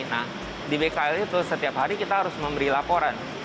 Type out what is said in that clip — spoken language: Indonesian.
nah di bkl itu setiap hari kita harus memberi laporan